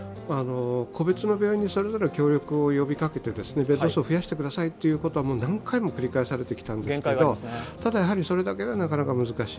個別の病院にそれぞれ協力を呼びかけてベッド数を増やしてくださいということは何回も繰り返されてきたんですけどただそれだけではなかなか難しい。